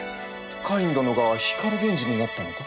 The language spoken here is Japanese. カイン殿が光源氏になったのか？